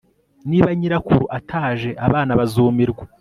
Niba nyirakuru ataje abana bazumirwa